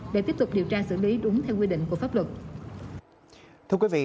để tiếp tục điều tra xử lý đúng theo quy định của pháp luật